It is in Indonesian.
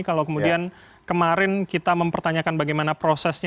kalau kemudian kemarin kita mempertanyakan bagaimana prosesnya